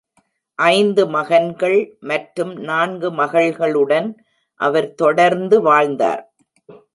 ஐந்து மகன்கள் மற்றும் நான்கு மகள்களுடன் அவர் தொடர்ந்து வாழ்ந்தார்,